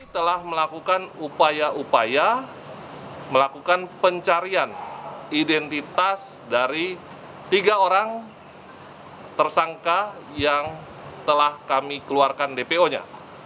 telah melakukan upaya upaya melakukan pencarian identitas dari tiga orang tersangka yang telah kami keluarkan dpo nya